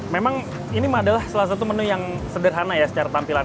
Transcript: memang ini adalah salah satu menu yang sederhana ya secara tampilan